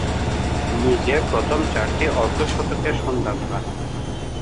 নিজের প্রথম চারটি অর্ধ-শতকের সন্ধান পান।